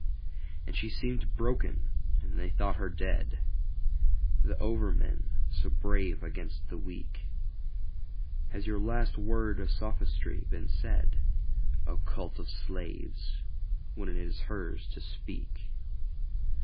And she seemed broken and they thought her dead, The Overmen, so brave against the weak. Has your last word of sophistry been said,O cult of slaves? Then it is hers to speak.